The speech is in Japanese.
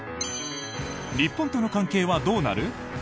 日本との関係はどうなる？